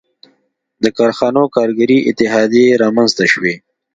• د کارخانو کارګري اتحادیې رامنځته شوې.